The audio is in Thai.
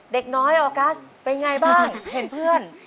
เด็กน้อยออกัสเป็นไงบ้างเห็นเพื่อน